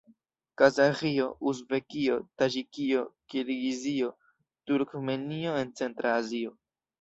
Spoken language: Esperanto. Kazaĥio, Uzbekio, Taĝikio, Kirgizio, Turkmenio en centra Azio.